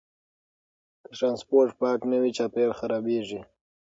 که ټرانسپورټ پاک نه وي، چاپیریال خرابېږي.